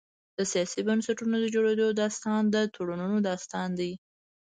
د سیاسي بنسټونو د جوړېدو داستان د تړونونو داستان دی.